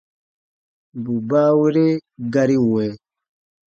Bù baawere gari wɛ̃.